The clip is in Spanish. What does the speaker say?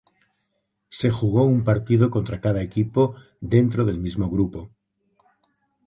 Se jugó un partido contra cada equipo dentro del mismo grupo.